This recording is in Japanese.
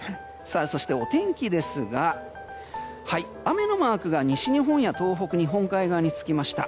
そして、お天気ですが雨のマークが西日本や東北日本海側につきました。